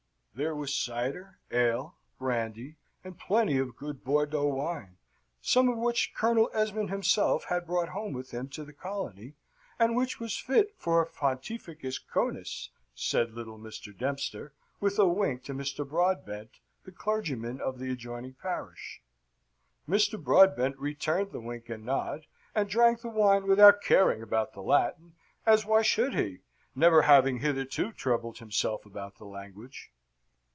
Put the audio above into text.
There was cider, ale, brandy, and plenty of good Bordeaux wine, some which Colonel Esmond himself had brought home with him to the colony, and which was fit for ponteeficis coenis, said little Mr. Dempster, with a wink to Mr. Broadbent, the clergyman of the adjoining parish. Mr. Broadbent returned the wink and nod, and drank the wine without caring about the Latin, as why should he, never having hitherto troubled himself about the language?